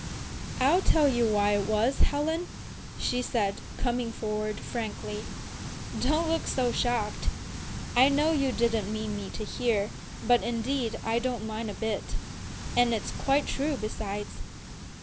"I'll tell you why it was, Helen," she said, coming forward frankly. "Don't look so shocked. I know you didn't mean me to hear, but indeed I don't mind a bit. And it's quite true besides.